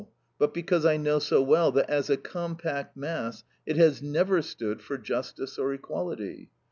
But because I know so well that as a compact mass it has never stood for justice or equality.